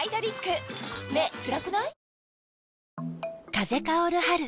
風薫る春。